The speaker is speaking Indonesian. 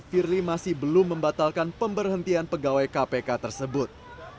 firly masih belum membatalkan pemberhentian pegawai kpk tersebut